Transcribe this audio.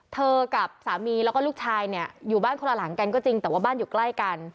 กับสามีแล้วก็ลูกชายเนี่ยอยู่บ้านคนละหลังกันก็จริงแต่ว่าบ้านอยู่ใกล้กัน